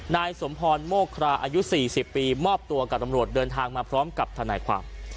นายสมพรโมคราอายุ๔๐ปีมอบตัวกับตำรวจเดินทางมาพร้อมกับทนายความ